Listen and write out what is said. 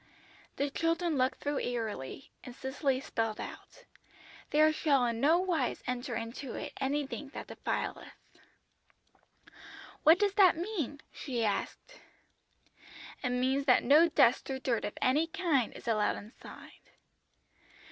"The children looked through eagerly, and Cicely spelled out: '"There shall in no wise enter into it anything that defileth."' "'What does that mean?' she asked. "'It means that no dust or dirt of any kind is allowed inside.'